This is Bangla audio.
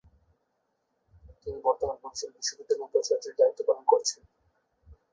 তিনি বর্তমানে বরিশাল বিশ্ববিদ্যালয়ের উপাচার্যের দায়িত্ব পালন করছেন।